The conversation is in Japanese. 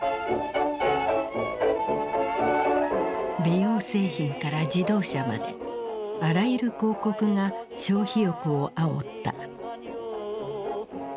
美容製品から自動車まであらゆる広告が消費欲をあおった。